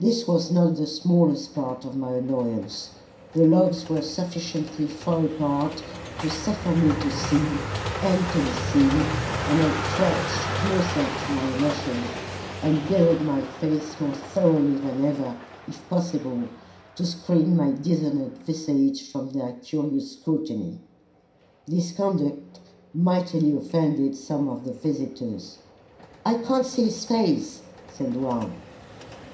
This was not the smallest part of my annoyance. The logs were sufficiently far apart to suffer me to see and to be seen, and I crouched closer to my rushes, and buried my face more thoroughly than ever, if possible, to screen my dishonoured visage from their curious scrutiny. This conduct mightily offended some of the visitors. "I can't see his face," said one.